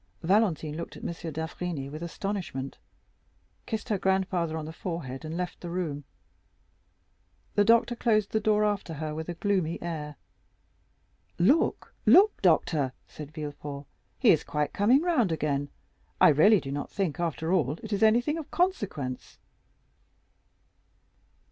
Valentine looked at M. d'Avrigny with astonishment, kissed her grandfather on the forehead, and left the room. The doctor closed the door after her with a gloomy air. "Look, look, doctor," said Villefort, "he is quite coming round again; I really do not think, after all, it is anything of consequence."